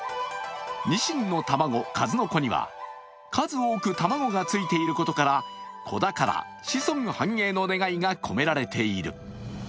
にしんの卵、数の子には数多く卵がついていることから子宝、子孫繁栄の願いが込められている。